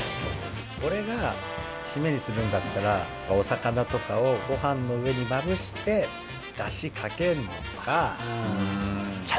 俺が締めにするんだったらお魚とかをご飯の上にまぶして出汁かけんのか。